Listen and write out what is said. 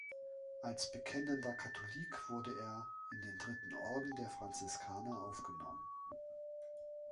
Als bekennender Katholik wurde er in den Dritten Orden der Franziskaner aufgenommen.